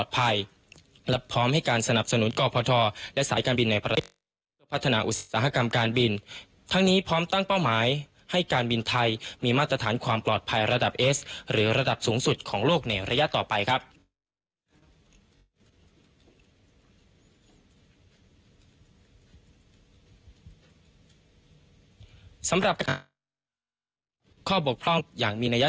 ในระยะสุดท้ายจะเริ่มดำเนินการตรวจสอบและสร้างกฎกติกา